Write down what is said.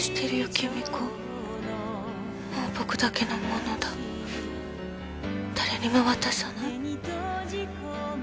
もう僕だけのものだ誰にも渡さない」